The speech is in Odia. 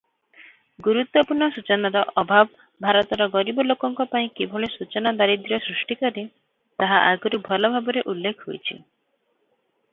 ଗୁରୁତ୍ୱପୂର୍ଣ୍ଣ ସୂଚନାର ଅଭାବ ଭାରତର ଗରିବ ଲୋକଙ୍କ ପାଇଁ କିଭଳି “ସୂଚନା ଦାରିଦ୍ର୍ୟ” ସୃଷ୍ଟି କରେ ତାହା ଆଗରୁ ଭଲ ଭାବରେ ଉଲ୍ଲେଖ ହୋଇଛି ।